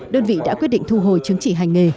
đơn vị đã quyết định thu hồi chứng chỉ hành nghề